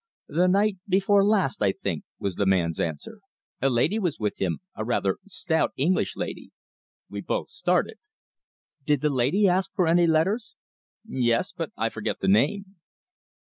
"The night before last, I think," was the man's answer. "A lady was with him a rather stout English lady." We both started. "Did the lady ask for any letters?" "Yes. But I forget the name."